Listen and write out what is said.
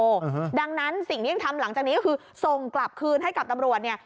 โอ้โหดังนั้นสิ่งที่ยังทำหลังจากนี้ก็คือส่งกลับคืนให้กับตำรวจเนี่ย